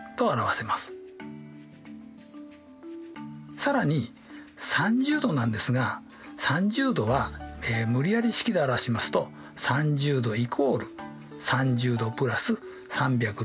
更に３０°なんですが３０°は無理やり式で表しますと３０°＝３０°＋３６０°×０と表せます。